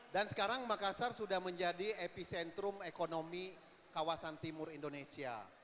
dan sekarang makassar sudah menjadi epicentrum ekonomi kawasan timur indonesia